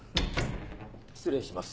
失礼します。